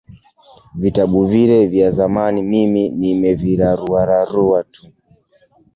Vitabu vile vya zamani mimi nimeviraruararua tu